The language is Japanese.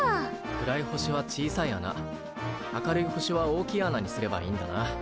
暗い星は小さい穴明るい星は大きい穴にすればいいんだな。